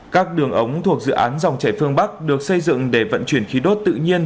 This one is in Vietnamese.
các đường ống thuộc dự án dòng chảy phương bắc được xây dựng để vận chuyển khí đốt tự nhiên